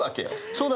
そうだ！